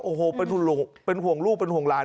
โอ้โหเป็นห่วงลูกเป็นห่วงหลาน